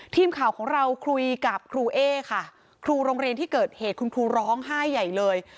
ทีมข่าวของเราคุยกับครูเอ๊ค่ะครูโรงเรียนที่เกิดเหตุคุณครูร้องไห้ใหญ่เลย